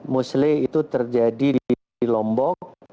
mostly itu terjadi di lombok